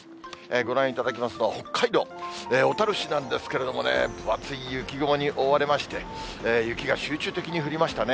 ご覧いただきますのは北海道小樽市なんですけれどもね、分厚い雪雲に覆われまして、雪が集中的に降りましたね。